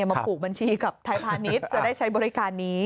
มาผูกบัญชีกับไทยพาณิชย์จะได้ใช้บริการนี้